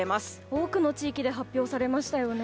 多くの地域で発表されましたよね。